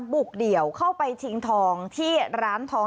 บุกเดี่ยวเข้าไปชิงทองที่ร้านทอง